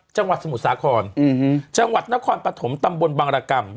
จังหวัดสมุทรสาคอนจังหวัดนครปฐมน์ตำบลบางรกรรม